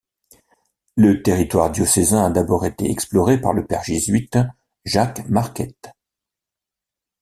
Le territoire diocésain a d'abord été exploré par le père jésuite Jacques Marquette.